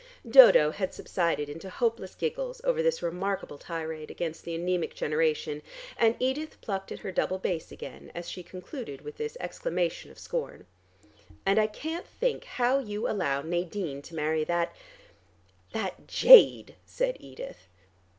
Dodo had subsided into hopeless giggles over this remarkable tirade against the anemic generation and Edith plucked at her double bass again as she concluded with this exclamation of scorn. "And I can't think how you allow Nadine to marry that that jade," said Edith.